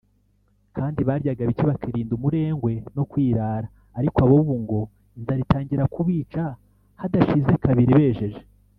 kandi baryaga bike bakirinda umurengwe no kwirara; ariko ab’ububu ngo inzara itangira kubica hadashize kabiri bejeje